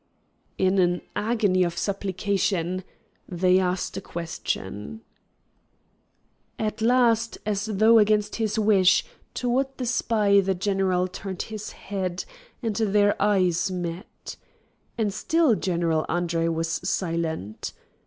In an agony of supplication they asked a question. At last, as though against his wish, toward the spy the general turned his head, and their eyes met. And still General Andre was silent.